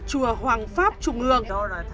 chùa hoàng pháp trung ương